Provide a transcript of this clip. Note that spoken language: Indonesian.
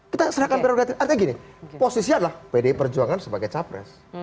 kita serahkan periode artinya gini posisi adalah pdi perjuangan sebagai capres